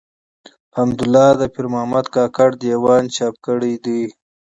حمدالله د پيرمحمد کاکړ د ېوان چاپ کړی دﺉ.